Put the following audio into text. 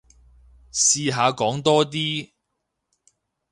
試下講多啲